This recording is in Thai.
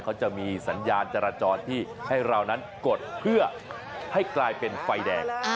เขาจะมีสัญญาณจราจรที่ให้เรานั้นกดเพื่อให้กลายเป็นไฟแดง